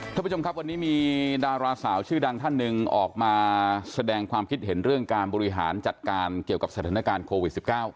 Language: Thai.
ท่านผู้ชมครับวันนี้มีดาราสาวชื่อดังท่านหนึ่งออกมาแสดงความคิดเห็นเรื่องการบริหารจัดการเกี่ยวกับสถานการณ์โควิด๑๙